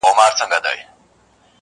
ستا د لپي په رڼو اوبو کي گراني ~